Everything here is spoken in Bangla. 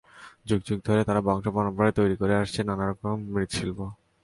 যুগ যুগ ধরে তারা বংশপরম্পরায় তৈরি করে আসছে নানা রকম মৃিশল্প।